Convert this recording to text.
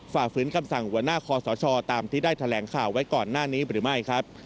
ฝ่าฝืนคำสั่งหัวหน้าคอสชตามที่ได้แถลงข่าวไว้ก่อนหน้านี้หรือไม่ครับ